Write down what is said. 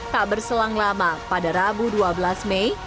tak berselang lama pada rabu dua belas mei